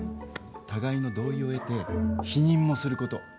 互いの同意を得て避妊もすること。